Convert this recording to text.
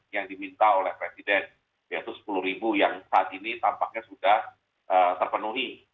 yang diminta oleh presiden yaitu sepuluh ribu yang saat ini tampaknya sudah terpenuhi